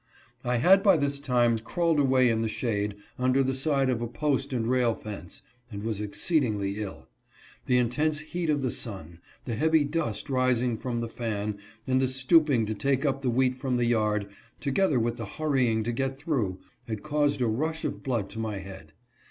I had by this time crawled away in the shade, under the side of a post and rail fence, and was exceedingly ill. The intense heat of the sun, the heavy dust rising from the fan, and the stooping to take up the wheat from the yard, together with the hurrying to get through, had caused a rush of blood to my head.